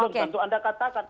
tentu anda katakan